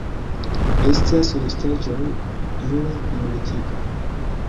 Estas restaĵoj el Neolitiko.